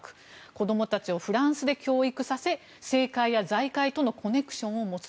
子どもたちをフランスで教育させ政界や財界とのコネクションを持つ。